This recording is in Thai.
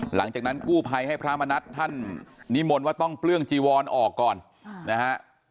หลังจากนั้นกู้ภัยให้พระมณัฐท่านนิมนต์ว่าต้องเปลื้องจีวรออกก่อนนะฮะ